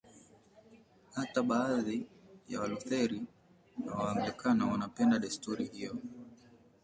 Hata baadhi ya Walutheri na Waanglikana wanapenda desturi hiyo.